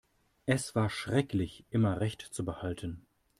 Es war schrecklich, immer Recht zu behalten.